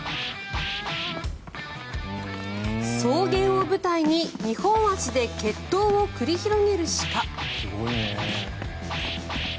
草原を舞台に２本足で決闘を繰り広げる鹿。